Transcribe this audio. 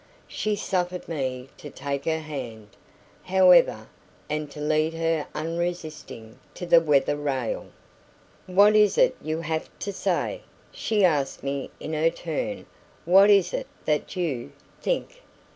She suffered me to take her hand, however, and to lead her unresisting to the weather rail. "What is it you have to say?" she asked me in her turn. "What is it that you think?"